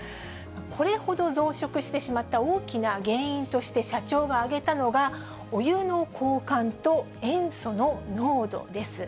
これほど増殖してしまった大きな原因として社長が挙げたのが、お湯の交換と塩素の濃度です。